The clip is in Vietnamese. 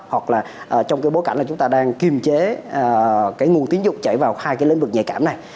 hoặc là trong cái bối cảnh là chúng ta đang kiềm chế cái nguồn tiến dụng chảy vào hai cái lĩnh vực nhạy cảm này